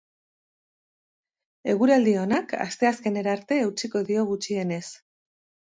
Eguraldi onak asteazkenera arte eutsiko dio, gutxienez.